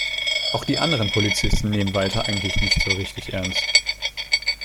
Auch die anderen Polizisten nehmen Walter eigentlich nicht so richtig ernst.